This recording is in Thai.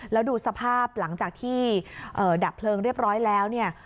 แล้วดูสภาพหลังจากที่ดับเพลิงเรียบร้อยแล้วเนี่ย